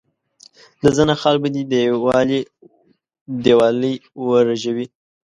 د زنه خال به دي دیوالۍ ورژوي.